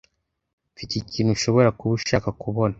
Mfite ikintu ushobora kuba ushaka kubona.